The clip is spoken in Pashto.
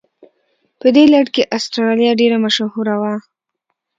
په دې لړ کې استرالیا ډېره مشهوره وه.